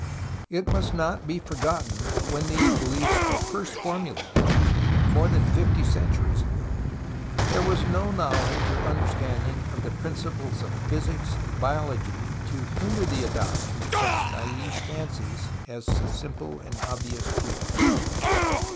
It must not be forgotten that when these beliefs were first formulated, more than fifty centuries ago, there was no knowledge or understanding of the principles of physics and biology to hinder the adoption of such naive fancies as the simple and obvious truth.